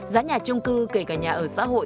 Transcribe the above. giá nhà trung cư kể cả nhà ở xã hội